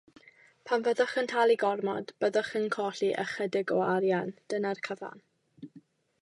Pan fyddwch yn talu gormod, byddwch yn colli ychydig o arian - dyna'r cyfan.